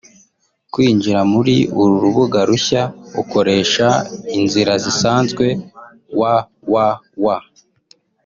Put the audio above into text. Kwinjira kuri uru rubuga rushya ukoresha inzira zisanzwe [www